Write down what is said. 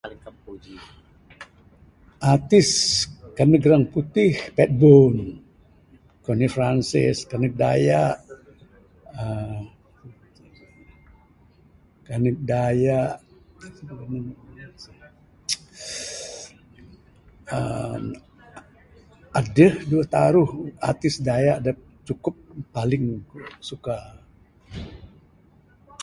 Artist kaneh ramputih kaik Pat Boone, Connie Francis kaneg dayak uhh kaneg dayak uhh adeh duweh taruh artist dayak da cukup paling suka.